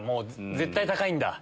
絶対高いんだ。